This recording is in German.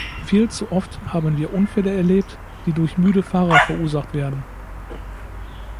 Viel zu oft haben wir Unfälle erlebt, die durch müde Fahrer verursacht werden.